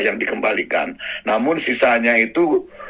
yang dikembalikan namun sisanya itu